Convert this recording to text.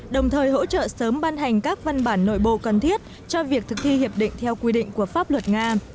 đồng thời hỗ trợ sớm ban hành các văn bản nội bộ cần thiết cho việc thực thi hiệp định theo quy định của pháp luật nga